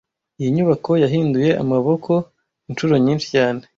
Iyi nyubako yahinduye amaboko inshuro nyinshi cyane